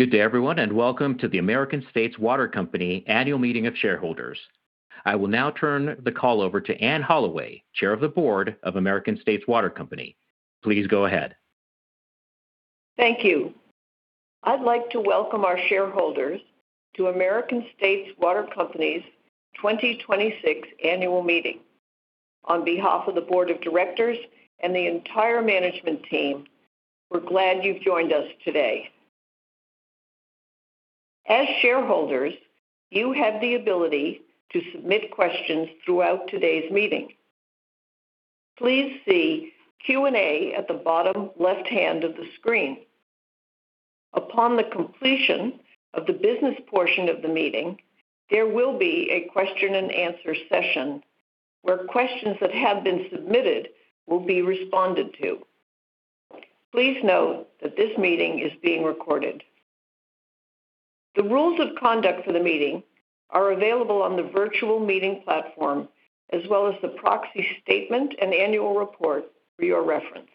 Good day everyone, welcome to the American States Water Company Annual Meeting of Shareholders. I will now turn the call over to Anne Holloway, Chair of the Board of American States Water Company. Please go ahead. Thank you. I'd like to welcome our shareholders to American States Water Company's 2026 annual meeting. On behalf of the board of directors and the entire management team, we're glad you've joined us today. As shareholders, you have the ability to submit questions throughout today's meeting. Please see Q&A at the bottom left-hand of the screen. Upon the completion of the business portion of the meeting, there will be a question-and-answer session where questions that have been submitted will be responded to. Please note that this meeting is being recorded. The rules of conduct for the meeting are available on the virtual meeting platform, as well as the proxy statement and annual report for your reference.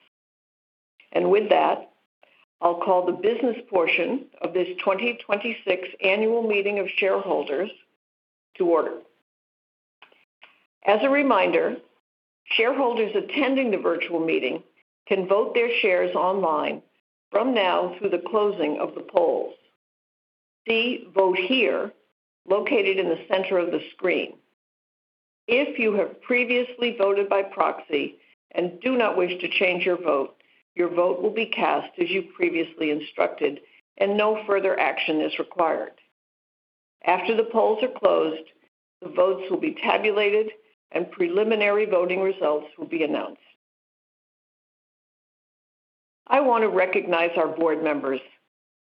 With that, I'll call the business portion of this 2026 annual meeting of shareholders to order. As a reminder, shareholders attending the virtual meeting can vote their shares online from now through the closing of the polls. See Vote Here located in the center of the screen. If you have previously voted by proxy and do not wish to change your vote, your vote will be cast as you previously instructed and no further action is required. After the polls are closed, the votes will be tabulated and preliminary voting results will be announced. I want to recognize our board members,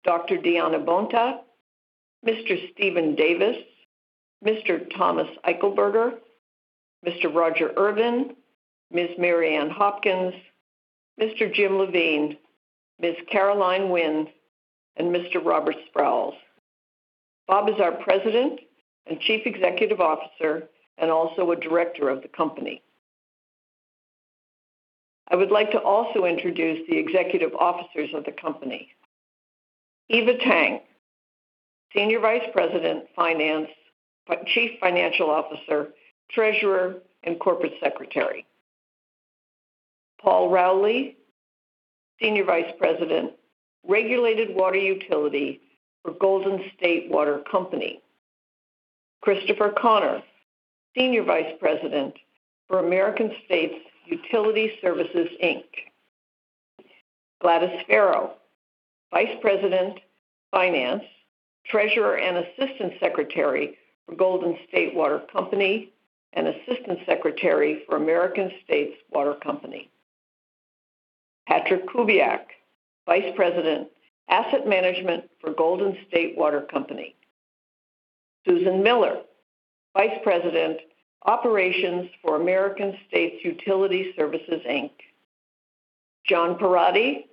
Dr. Diana M. Bontá, Mr. Steven D. Davis, Mr. Thomas A. Eichelberger, Mr. Roger M. Ervin, Ms. Mary Ann Hopkins, Mr. C. James Levin, Ms. Caroline A. Winn, and Mr. Robert J. Sprowls. Bob is our President and Chief Executive Officer and also a director of the company. I would like to also introduce the executive officers of the company. Eva Tang, Senior Vice President, Finance, Chief Financial Officer, Treasurer, and Corporate Secretary. Paul Rowley, Senior Vice President, Regulated Water Utility for Golden State Water Company. Christopher Connor, Senior Vice President for American States Utility Services, Inc. Gladys Farrow, Vice President, Finance, Treasurer, and Assistant Secretary for Golden State Water Company and Assistant Secretary for American States Water Company. Patrick Kubiak, Vice President, Asset Management for Golden State Water Company. Susan Miller, Vice President, Operations for American States Utility Services, Inc. Jon G. Pierotti,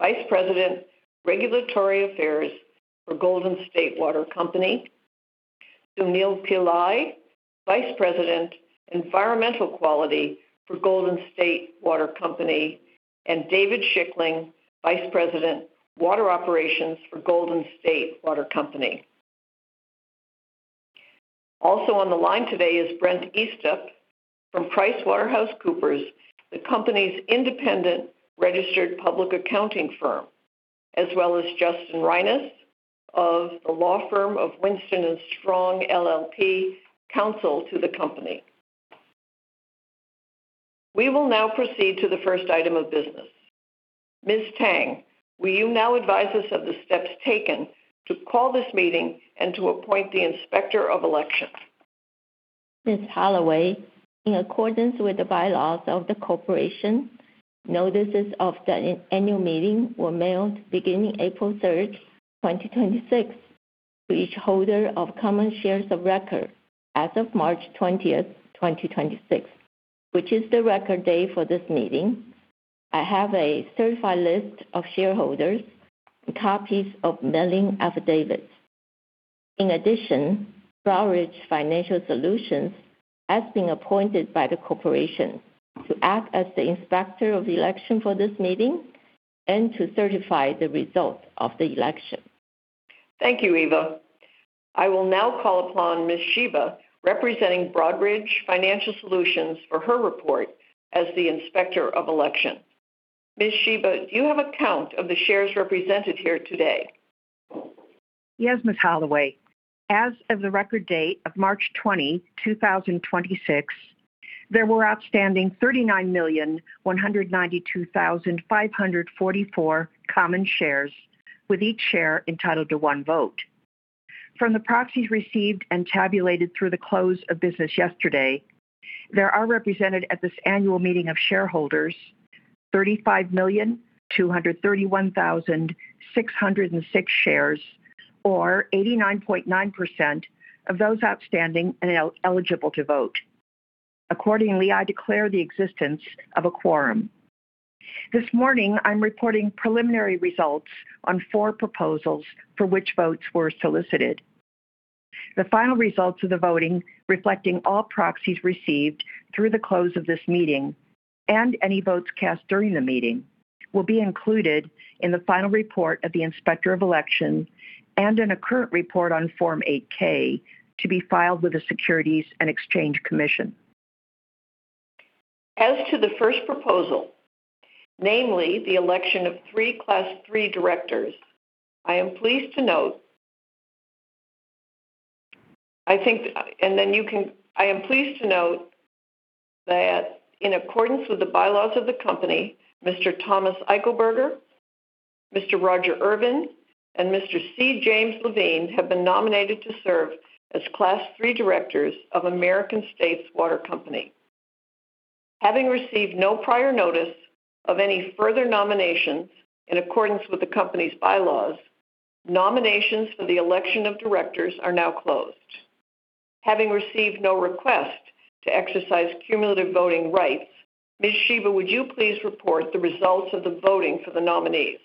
Vice President, Regulatory Affairs for Golden State Water Company. Sunil Pillai, Vice President, Environmental Quality for Golden State Water Company. David Schickling, Vice President, Water Operations for Golden State Water Company. Also on the line today is Brent Eastup from PricewaterhouseCoopers, the company's independent registered public accounting firm, as well as Justin Reinus of the law firm of Winston & Strawn LLP, counsel to the company. We will now proceed to the first item of business. Ms. Tang, will you now advise us of the steps taken to call this meeting and to appoint the Inspector of Election? Ms. Holloway, in accordance with the bylaws of the corporation, notices of the annual meeting were mailed beginning April 3, 2026 to each holder of common shares of record as of March 20, 2026, which is the record day for this meeting. I have a certified list of shareholders and copies of mailing affidavits. In addition, Broadridge Financial Solutions has been appointed by the corporation to act as the Inspector of Election for this meeting and to certify the results of the election. Thank you, Eva. I will now call upon Wendy Shiba, representing Broadridge Financial Solutions for her report as the inspector of election. Wendy Shiba, do you have a count of the shares represented here today? Yes, Ms. Holloway. As of the record date of March 20, 2026, there were outstanding 39,192,544 common shares, with each share entitled to one vote. From the proxies received and tabulated through the close of business yesterday, there are represented at this annual meeting of shareholders 35,231,606 shares or 89.9% of those outstanding and eligible to vote. Accordingly, I declare the existence of a quorum. This morning, I'm reporting preliminary results on four proposals for which votes were solicited. The final results of the voting reflecting all proxies received through the close of this meeting and any votes cast during the meeting will be included in the final report of the Inspector of Election and in a current report on Form 8-K to be filed with the Securities and Exchange Commission. As to the first proposal, namely the election of three Class III directors, I am pleased to note that in accordance with the bylaws of the company, Mr. Thomas Eichelberger, Mr. Roger Ervin, and Mr. C. James Levin have been nominated to serve as Class III directors of American States Water Company. Having received no prior notice of any further nominations in accordance with the company's bylaws, nominations for the election of directors are now closed. Having received no request to exercise cumulative voting rights, Ms. Shiba, would you please report the results of the voting for the nominees?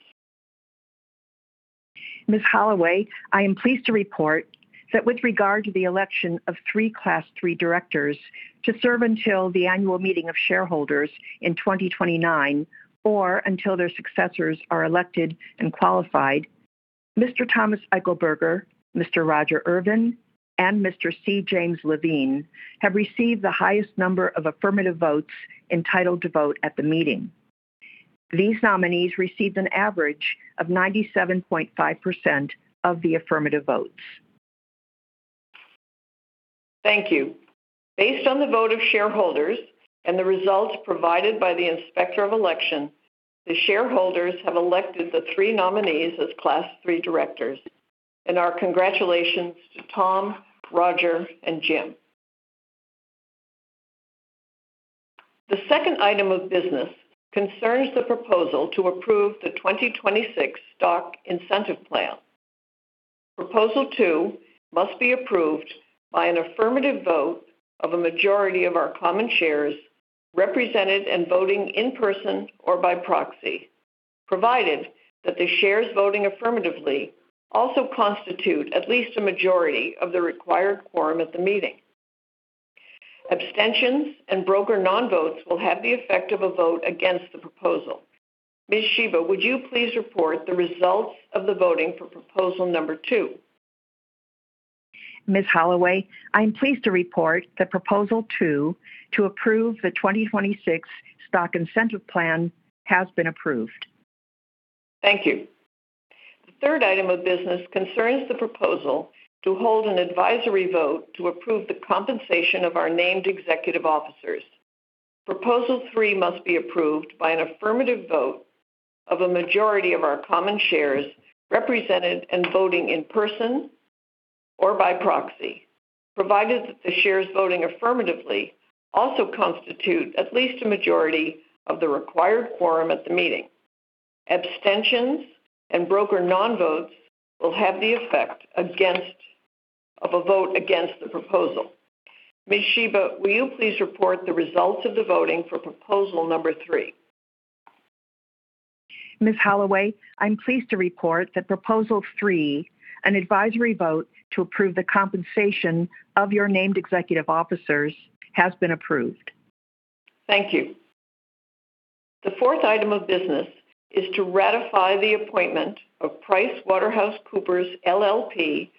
Ms. Holloway, I am pleased to report that with regard to the election of three Class III directors to serve until the annual meeting of shareholders in 2029 or until their successors are elected and qualified, Mr. Thomas A. Eichelberger, Mr. Roger M. Ervin, and Mr. C. James Levin have received the highest number of affirmative votes entitled to vote at the meeting. These nominees received an average of 97.5% of the affirmative votes. Thank you. Based on the vote of shareholders and the results provided by the Inspector of Election, the shareholders have elected the three nominees as Class III directors. Our congratulations to Tom, Roger, and Jim. The second item of business concerns the proposal to approve the 2026 Stock Incentive Plan. Proposal two must be approved by an affirmative vote of a majority of our common shares represented and voting in person an advisory vote to approve the compensation of your named executive officers, has been approved. Thank you. The fourth item of business is to ratify the appointment of PricewaterhouseCoopers LLP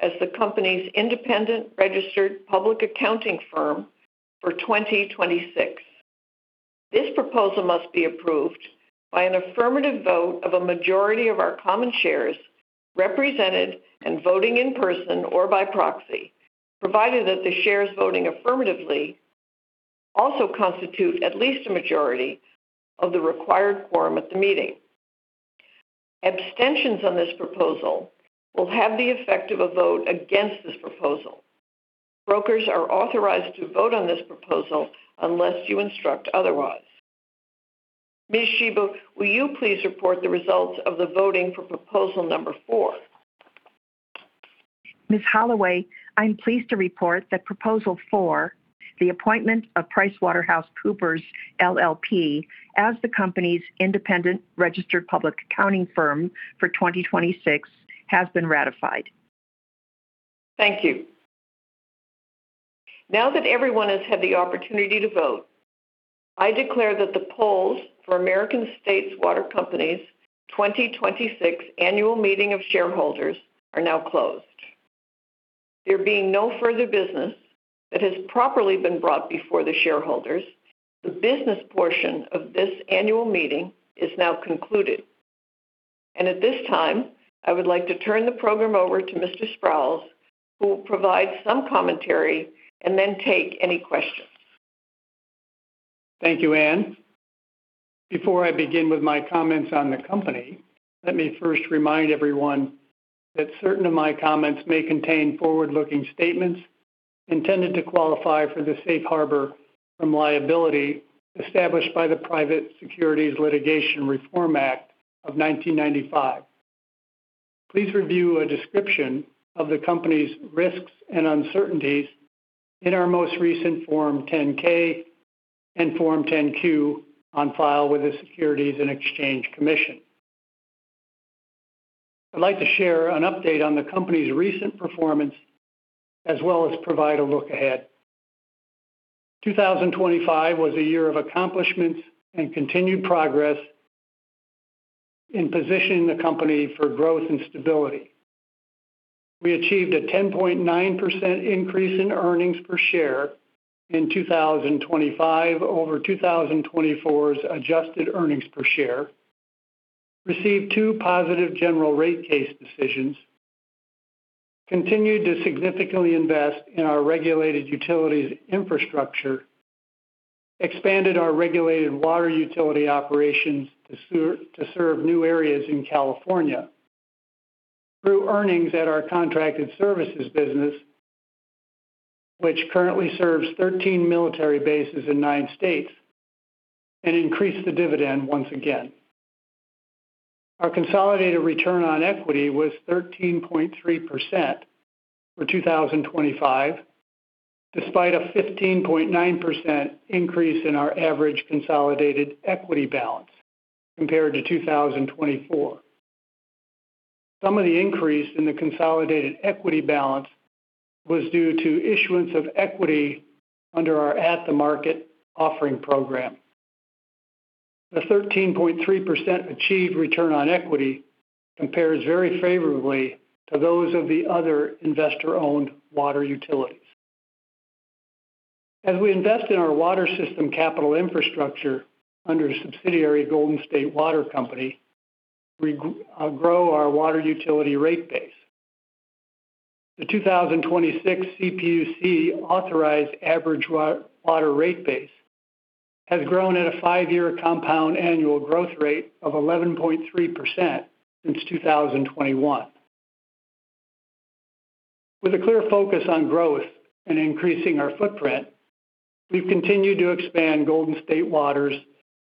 as the company's independent registered public accounting firm for 2026. This proposal must be approved by an affirmative vote of a majority of our common shares represented and voting in person or by proxy, provided that the shares voting affirmatively also constitute at least a majority of the required quorum at the meeting. Abstentions on this proposal will have the effect of a vote against this proposal. Brokers are authorized to vote on this proposal unless you instruct otherwise. Ms. Shiba, will you please report the results of the voting for proposal number four? Ms. Holloway, I am pleased to report that proposal four, the appointment of PricewaterhouseCoopers LLP as the company's independent registered public accounting firm for 2026 has been ratified. Thank you. Now that everyone has had the opportunity to vote, I declare that the polls for American States Water Company's 2026 annual meeting of shareholders are now closed. There being no further business that has properly been brought before the shareholders, the business portion of this annual meeting is now concluded. At this time, I would like to turn the program over to Mr. Sprowls, who will provide some commentary and then take any questions. Thank you, Anne. Before I begin with my comments on the company, let me first remind everyone that certain of my comments may contain forward-looking statements intended to qualify for the safe harbor from liability established by the Private Securities Litigation Reform Act of 1995. Please review a description of the company's risks and uncertainties in our most recent Form 10-K and Form 10-Q on file with the Securities and Exchange Commission. I'd like to share an update on the company's recent performance, as well as provide a look ahead. 2025 was a year of accomplishments and continued progress in positioning the company for growth and stability. We achieved a 10.9% increase in earnings per share in 2025 over 2024's adjusted earnings per share, received two positive general rate case decisions, continued to significantly invest in our regulated utilities infrastructure, expanded our regulated water utility operations to serve new areas in California, grew earnings at our contracted services business, which currently serves 13 military bases in nine states, and increased the dividend once again. Our consolidated return on equity was 13.3% for 2025, despite a 15.9% increase in our average consolidated equity balance compared to 2024. Some of the increase in the consolidated equity balance was due to issuance of equity under our at-the-market offering program. The 13.3% achieved return on equity compares very favorably to those of the other investor-owned water utilities. As we invest in our water system capital infrastructure under subsidiary Golden State Water Company, we grow our water utility rate base. The 2026 CPUC authorized average water rate base has grown at a five-year compound annual growth rate of 11.3% since 2021. With a clear focus on growth and increasing our footprint, we've continued to expand Golden State Water's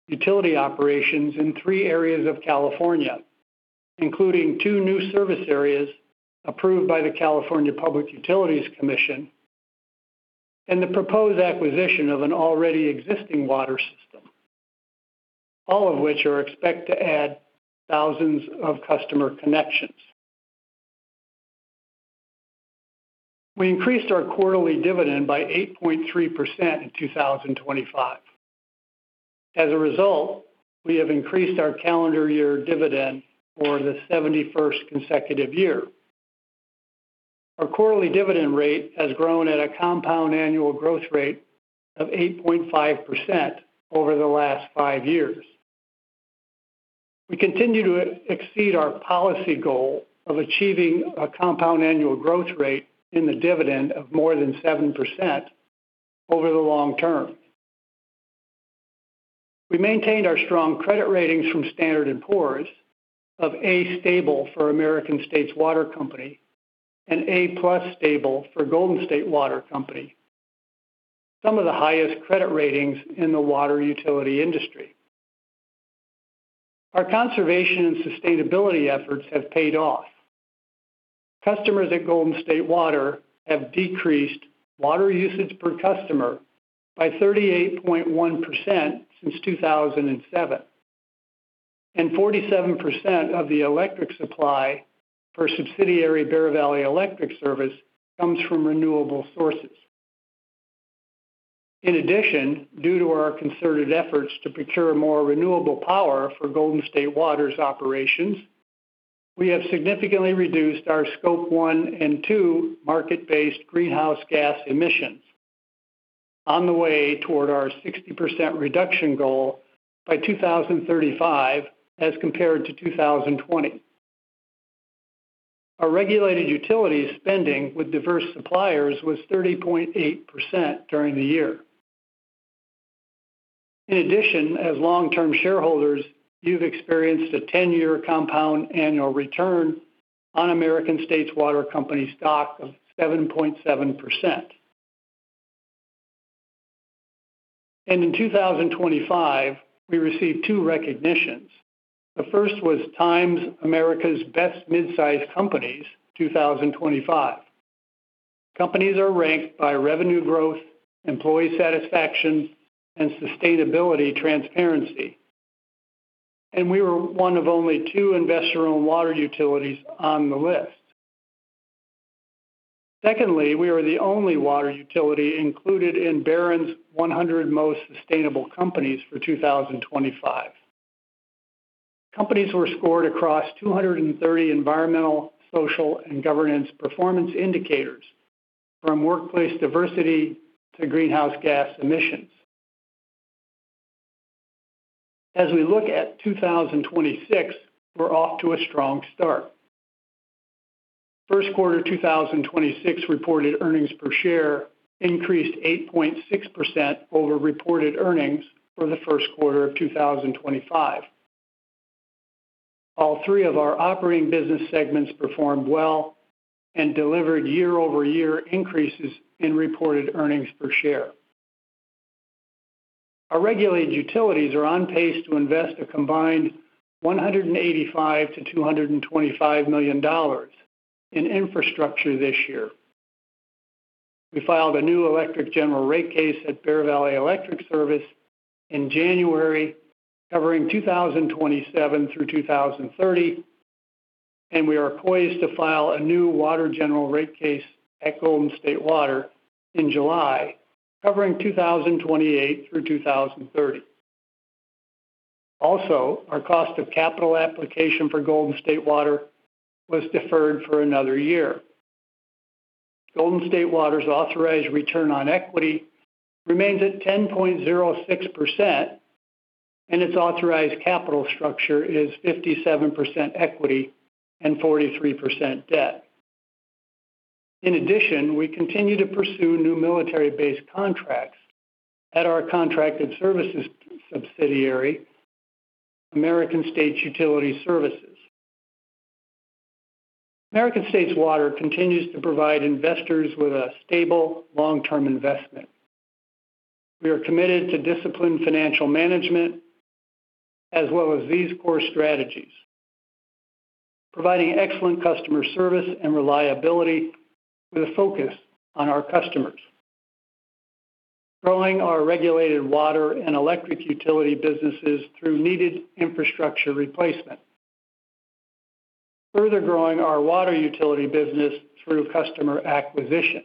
utility operations in three areas of California, including two new service areas approved by the California Public Utilities Commission and the proposed acquisition of an already existing water system, all of which are expected to add thousands of customer connections. We increased our quarterly dividend by 8.3% in 2025. As a result, we have increased our calendar year dividend for the 71st consecutive year. Our quarterly dividend rate has grown at a compound annual growth rate of 8.5% over the last five years. We continue to exceed our policy goal of achieving a compound annual growth rate in the dividend of more than 7% over the long term. We maintained our strong credit ratings from Standard & Poor's of A stable for American States Water Company and A+ stable for Golden State Water Company, some of the highest credit ratings in the water utility industry. Our conservation and sustainability efforts have paid off. Customers at Golden State Water have decreased water usage per customer by 38.1% since 2007, and 47% of the electric supply for subsidiary Bear Valley Electric Service comes from renewable sources. In addition, due to our concerted efforts to procure more renewable power for Golden State Water's operations, we have significantly reduced our scope one and two market-based greenhouse gas emissions on the way toward our 60% reduction goal by 2035 as compared to 2020. Our regulated utility spending with diverse suppliers was 30.8% during the year. In addition, as long-term shareholders, you've experienced a 10-year compound annual return on American States Water Company's stock of 7.7%. In 2025, we received two recognitions. The first was TIME's Best Midsize Companies 2025. Companies are ranked by revenue growth, employee satisfaction, and sustainability transparency. We were one of only two investor-owned water utilities on the list. Secondly, we are the only water utility included in Barron's 100 most sustainable companies for 2025. Companies were scored across 230 environmental, social, and governance performance indicators from workplace diversity to greenhouse gas emissions. As we look at 2026, we're off to a strong start. First quarter 2026 reported earnings per share increased 8.6% over reported earnings for the first quarter of 2025. All three of our operating business segments performed well and delivered YoY increases in reported earnings per share. Our regulated utilities are on pace to invest a combined $185 million-$225 million in infrastructure this year. We filed a new electric general rate case at Bear Valley Electric Service in January, covering 2027 through 2030. We are poised to file a new water general rate case at Golden State Water in July, covering 2028 through 2030. Our cost of capital application for Golden State Water was deferred for another year. Golden State Water's authorized return on equity remains at 10.06%, and its authorized capital structure is 57% equity and 43% debt. In addition, we continue to pursue new military base contracts at our contracted services subsidiary, American States Utility Services. American States Water continues to provide investors with a stable, long-term investment. We are committed to disciplined financial management as well as these core strategies, providing excellent customer service and reliability with a focus on our customers, growing our regulated water and electric utility businesses through needed infrastructure replacement, further growing our water utility business through customer acquisition,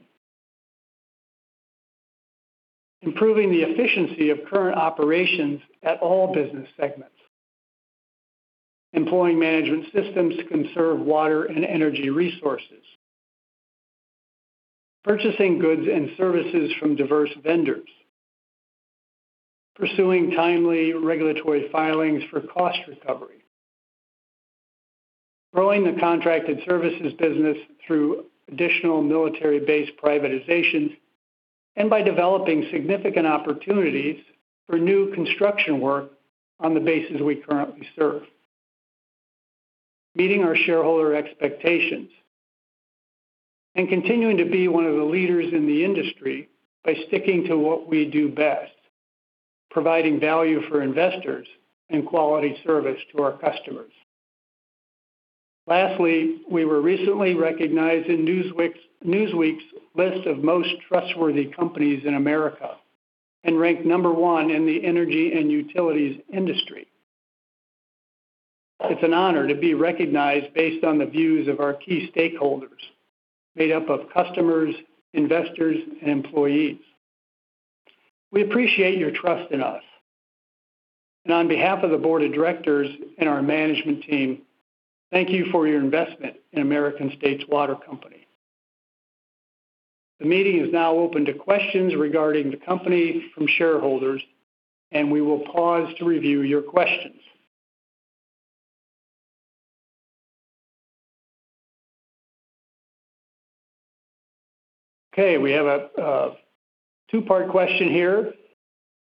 improving the efficiency of current operations at all business segments, employing management systems to conserve water and energy resources, purchasing goods and services from diverse vendors, pursuing timely regulatory filings for cost recovery, growing the contracted services business through additional military base privatizations and by developing significant opportunities for new construction work on the bases we currently serve, meeting our shareholder expectations, and continuing to be one of the leaders in the industry by sticking to what we do best, providing value for investors and quality service to our customers. Lastly, we were recently recognized in Newsweek's list of most trustworthy companies in America and ranked number one in the energy and utilities industry. It's an honor to be recognized based on the views of our key stakeholders, made up of customers, investors, and employees. We appreciate your trust in us. On behalf of the board of directors and our management team, thank you for your investment in American States Water Company. The meeting is now open to questions regarding the company from shareholders, and we will pause to review your questions. Okay, we have a two-part question here.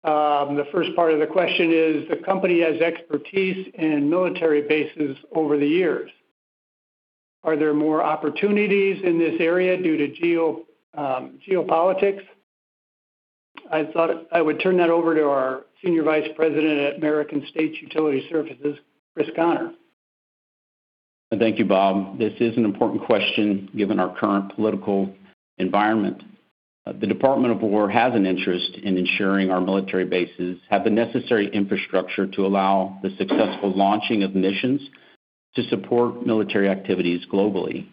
The first part of the question is: the company has expertise in military bases over the years. Are there more opportunities in this area due to geopolitics? I thought I would turn that over to our Senior Vice President at American States Utility Services, Chris Connor. Thank you, Bob. This is an important question given our current political environment. The Department of Defense has an interest in ensuring our military bases have the necessary infrastructure to allow the successful launching of missions to support military activities globally.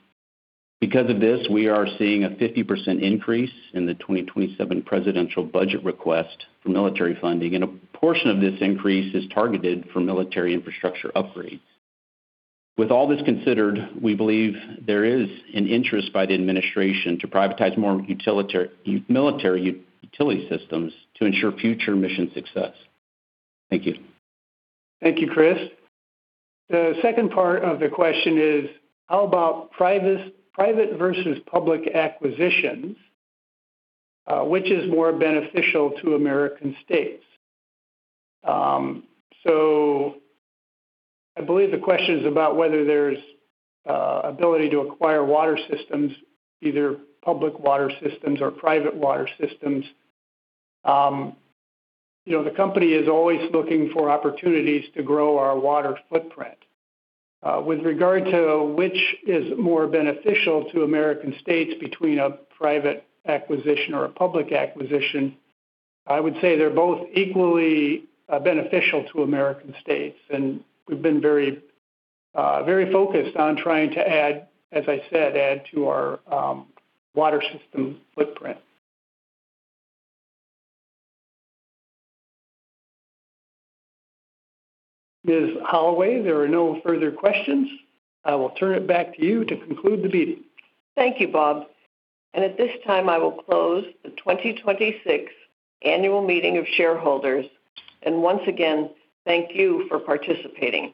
We are seeing a 50% increase in the 2027 presidential budget request for military funding, and a portion of this increase is targeted for military infrastructure upgrades. We believe there is an interest by the administration to privatize more military utility systems to ensure future mission success. Thank you. Thank you, Chris. The second part of the question is: how about private versus public acquisitions, which is more beneficial to American States? I believe the question is about whether there's ability to acquire water systems, either public water systems or private water systems. You know, the company is always looking for opportunities to grow our water footprint. With regard to which is more beneficial to American States between a private acquisition or a public acquisition, I would say they're both equally beneficial to American States, and we've been very focused on trying to add, as I said, add to our water system footprint. Ms. Holloway, there are no further questions. I will turn it back to you to conclude the meeting. Thank you, Bob. At this time I will close the 2026 annual meeting of shareholders. Once again, thank you for participating.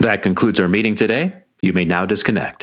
That concludes our meeting today. You may now disconnect.